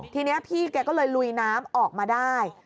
ทีนี้พี่แกก็เลยลุยน้ำออกมาได้